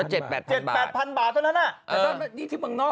๒๒๐เหลือตกเป็นเงินเท่าไหร่